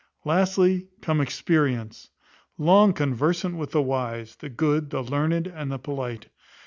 Lastly, come Experience, long conversant with the wise, the good, the learned, and the polite.